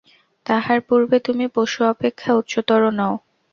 তাহার পূর্বে তুমি পশু অপেক্ষা উচ্চতর নও।